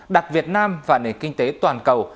đặt việt nam vào nền kinh tế toàn cầu